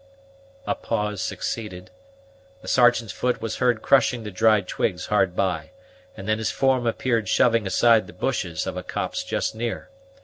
A pause succeeded; the Sergeant's foot was heard crushing the dried twigs hard by, and then his form appeared shoving aside the bushes of a copse just near.